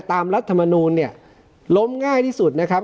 รัฐมนูลเนี่ยล้มง่ายที่สุดนะครับ